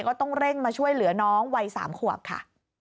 ก็ต้องเร่งมาช่วยเหลือน้องวัย๓ขวบค่ะ